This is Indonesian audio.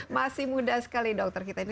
masih muda sekali dokter kita ini